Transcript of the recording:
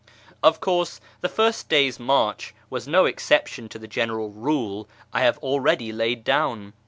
Of course the first day's march was no exception to the general rule I have already laid down.